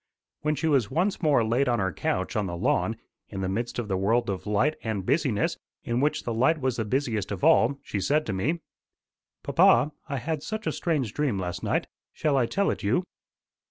When she was once more laid on her couch on the lawn, in the midst of the world of light and busy ness, in which the light was the busiest of all, she said to me: "Papa, I had such a strange dream last night: shall I tell it you?"